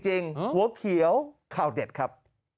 หัวเขียวข่าวเด็ดครับ